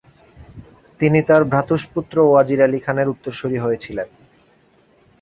তিনি তার ভ্রাতুষ্পুত্র ওয়াজির আলি খানের উত্তরসুরি হয়েছিলেন।